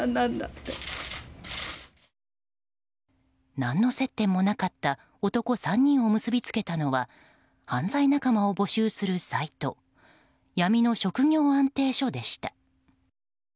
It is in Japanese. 何の接点もなかった男３人を結びつけたのは犯罪仲間を募集するサイト闇の職業安定所でした。